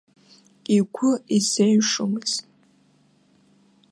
Игәы изеиҩшомызт.